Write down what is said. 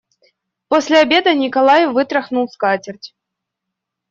После обеда Николай вытряхнул скатерть.